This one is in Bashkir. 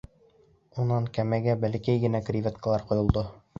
Унан кәмәгә бәләкәй генә креветкалар ҡойолдо.